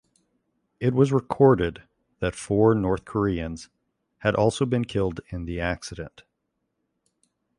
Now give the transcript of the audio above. It was recorded that four North Koreans had also been killed in the accident.